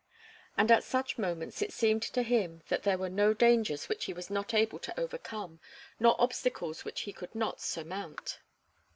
And at such moments it seemed to him that there were no dangers which he was not able to overcome nor obstacles which he could not surmount.